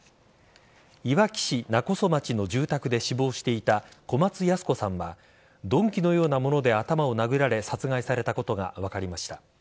いわき市勿来町の住宅で死亡していた小松ヤス子さんは鈍器のようなもので頭を殴られ殺害されたことが分かりました。